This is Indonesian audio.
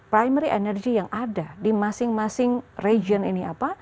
primary energy yang ada di masing masing region ini apa